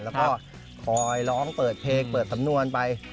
แล้วก็คอยร้องเปิดเพลงเปิดสำนวนไป